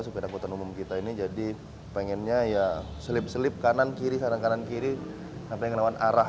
sepeda motor umum kita ini jadi pengennya ya selip selip kanan kiri kanan kanan kiri sampai ngelawan arah